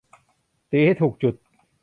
ตีให้ถูกจุด